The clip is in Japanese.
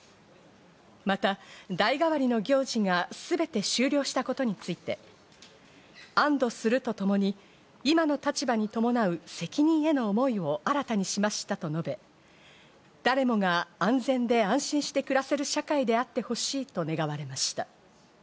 また代替わりの行事が全て終了したことについて、安堵するとともに、今の立場に伴う責任への思いを新たにしましたと述べ、誰もが安全で安心して暮らせる社会であってほしいと願われました。